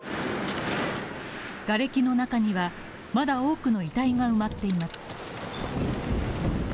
がれきの中にはまだ多くの遺体が埋まっています。